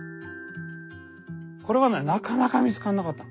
これはねなかなか見つからなかったの。